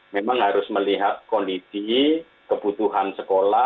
memang harus melihat kondisi kebutuhan sekolah